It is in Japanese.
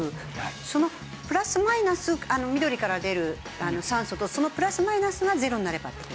そのプラスマイナスを緑から出る酸素とそのプラスマイナスがゼロになればって事？